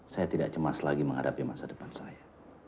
saya tidak cemas lagi menghadapi masa depan saya